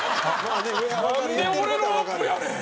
なんで俺のアップやねん！